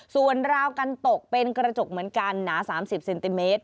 ส่วนราวกันตกเป็นกระจกเหมือนกันหนา๓๐เซนติเมตร